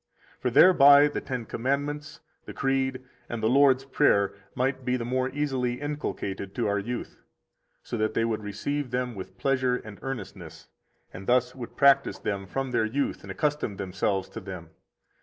For thereby the Ten Commandments, the Creed, and the Lord's Prayer might be the more easily inculcated to our youth, so that they would receive them with pleasure and earnestness, and thus would practise them from their youth and accustom themselves to them.